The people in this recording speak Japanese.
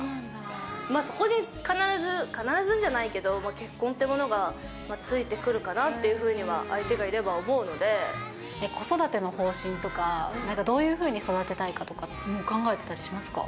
そこに必ずじゃないけど、結婚ってものがついてくるかなっていうふうには、相手がいれば思子育ての方針とか、なんかどういうふうに育てたいかとか考えてたりしますか？